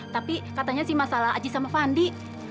tapi katanya sih masalah ajiis sama pandi